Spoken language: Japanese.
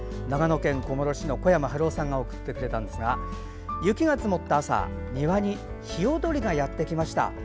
長野県小諸市の小山晴夫さんが送ってくれたんですが雪が積もった朝庭にヒヨドリがやってきました。